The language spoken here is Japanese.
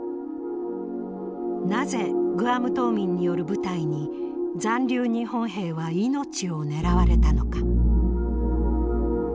なぜグアム島民による部隊に残留日本兵は命を狙われたのか。